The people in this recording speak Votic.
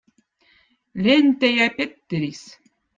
lentäjä Petteriz